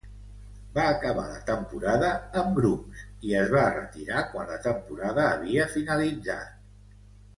Va acabar la temporada amb Grooms i es va retirar quan la temporada havia finalitzat.